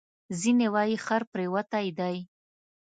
ځینې وایي خر پرېوتی دی.